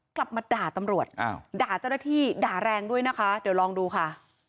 กลับมาด่าตำรวจอ้าวด่าเจ้าหน้าที่ด่าแรงด้วยนะคะเดี๋ยวลองดูค่ะ